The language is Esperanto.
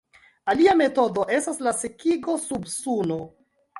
Alia metodo estas la sekigo sub Suno.